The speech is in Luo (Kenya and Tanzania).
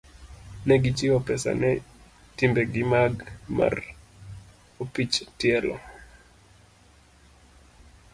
Ne gichiwo pesa ne timbegi mar opich tielo.